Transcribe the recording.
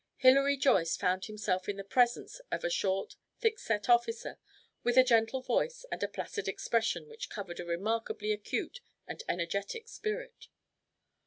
Hilary Joyce found himself in the presence of a short, thick set officer, with a gentle voice and a placid expression which covered a remarkably acute and energetic spirit.